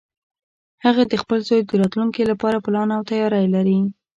هغه د خپل زوی د راتلونکې لپاره پلان او تیاری لري